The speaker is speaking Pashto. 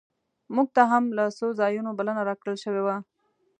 مونږ ته هم له څو ځایونو بلنه راکړل شوې وه.